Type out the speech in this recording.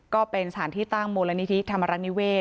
ก็เป็นสถานที่ตั้งมูลนิธิธรรมรนิเวศ